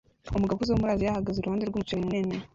Umugabo ukuze wo muri Aziya ahagaze iruhande rwumuceri munini